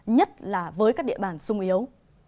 nhất là với các địa bàn sung yếu